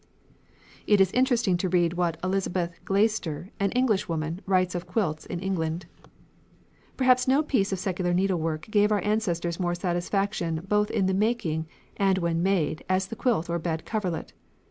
It is interesting to read what Elizabeth Glaister, an Englishwoman, writes of quilts in England: "Perhaps no piece of secular needlework gave our ancestors more satisfaction, both in the making and when made, as the quilt or bed coverlet.